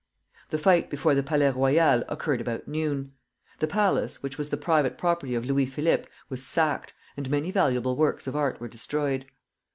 The fight before the Palais Royal occurred about noon. The palace, which was the private property of Louis Philippe, was sacked, and many valuable works of art were destroyed.